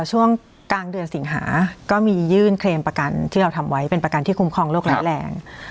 ช่วงกลางเดือนสิงหาก็มียื่นเคลมประกันที่เราทำไว้เป็นประกันที่คุ้มครองโรคร้ายแรง